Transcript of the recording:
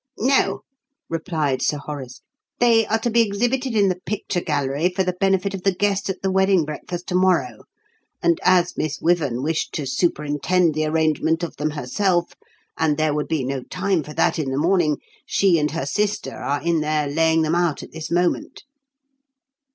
"No," replied Sir Horace. "They are to be exhibited in the picture gallery for the benefit of the guests at the wedding breakfast to morrow, and as Miss Wyvern wished to superintend the arrangement of them herself, and there would be no time for that in the morning, she and her sister are in there laying them out at this moment.